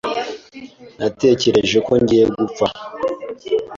Natekereje ko ngiye gupfa.